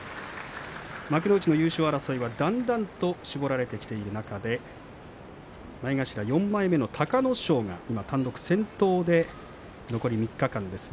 幕内の優勝争いはだんだんと絞られてきてる中で前頭４枚目の隆の勝単独先頭で残り３日間です。